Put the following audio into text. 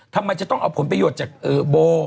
ทำไมจะต้องเอาผลประโยชน์จากโบ